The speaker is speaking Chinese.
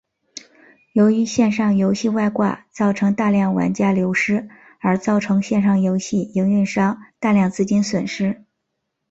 由于线上游戏外挂造成大量玩家流失而造成线上游戏营运商大量资金损失。